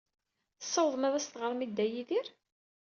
Tessawḍem ad as-teɣrem i Dda Yidir?